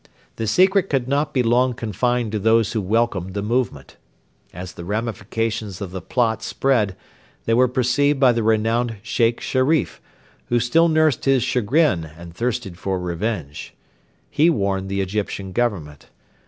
The secret could not be long confined to those who welcomed the movement. As the ramifications of the plot spread they were perceived by the renowned Sheikh Sherif, who still nursed his chagrin and thirsted for revenge. He warned the Egyptian Government.